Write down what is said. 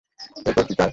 এরপর কি, কাই?